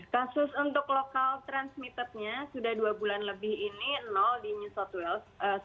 kasus untuk local transmittednya sudah dua bulan lebih ini nol di new south wales